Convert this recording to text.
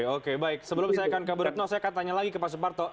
oke baik sebelum saya akan ke bu retno saya akan tanya lagi ke pak suparto